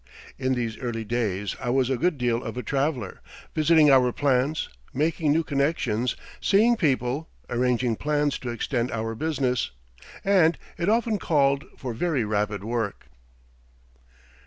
In these early days I was a good deal of a traveller, visiting our plants, making new connections, seeing people, arranging plans to extend our business and it often called for very rapid work.